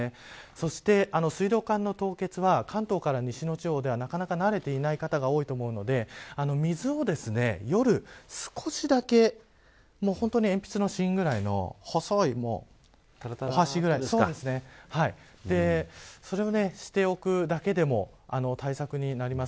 そして、水道管の凍結は関東から西の地方では、なかなか慣れていない方が多いと思うので水を夜、少しだけ本当に鉛筆の芯ぐらいの細いお箸ぐらいそれをしておくだけでも対策になります。